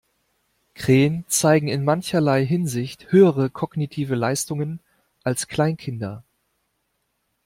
Krähen zeigen in mancherlei Hinsicht höhere kognitive Leistungen als Kleinkinder.